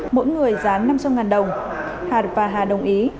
mỗi người giá năm trăm linh đồng hạt và hà đồng ý